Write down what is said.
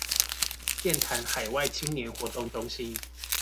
劍潭海外青年活動中心